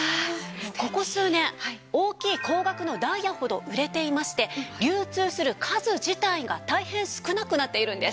ここ数年大きい高額のダイヤほど売れていまして流通する数自体が大変少なくなっているんです。